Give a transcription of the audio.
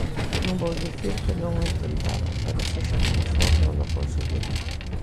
Non vou dicir que non o intentaron, pero sexa como for, non o conseguiron.